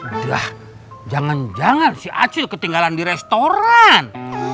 udah jangan jangan si acil ketinggalan di restoran